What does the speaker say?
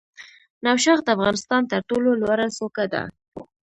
نوشاخ د افغانستان تر ټولو لوړه څوکه ده